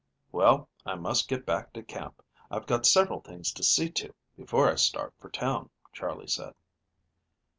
"Well, I must get back to camp. I've got several things to see to before I start for town," Charley said.